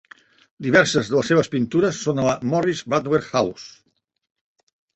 Diverses de les seves pintures són a la Morris-Butler House.